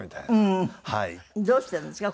どうしたんですか？